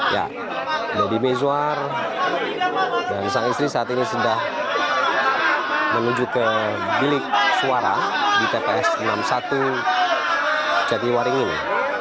ya deddy mizwar dan sang istri saat ini sudah menuju ke bilik suara di tps enam puluh satu jatiwaringin